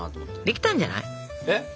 できたんじゃない？